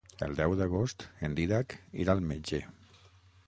El deu d'agost en Dídac irà al metge.